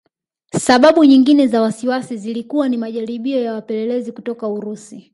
Sababu nyingine za wasiwasi zilikuwa ni majaribio ya wapelelezi kutoka Urusi